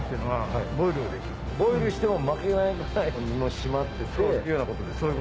ボイルしても負けないぐらいの身の締まっててというようなことですよね。